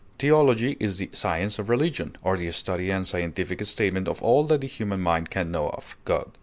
Theology is the science of religion, or the study and scientific statement of all that the human mind can know of God.